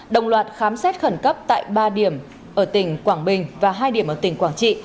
đồng loạt khám xét khẩn cấp tại ba điểm ở tỉnh quảng bình và hai điểm ở tỉnh quảng trị